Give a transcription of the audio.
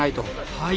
はい。